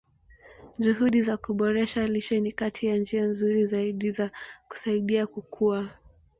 Juhudi za kuboresha lishe ni kati ya njia nzuri zaidi za kusaidia kukua.